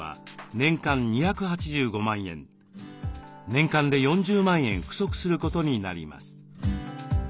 年間で４０万円不足することになります。